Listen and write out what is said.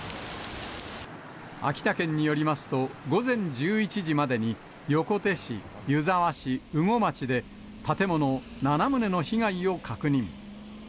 秋田県によりますと、午前１１時までに、横手市、湯沢市、羽後町で、建物７棟の被害を確認。